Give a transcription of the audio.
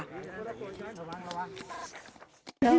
โดยเท่านั้นค่ะ